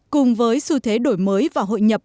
cùng với xu thế đổi mới và hội nhập